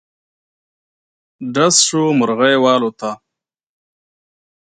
ډز شو، مرغی والوته.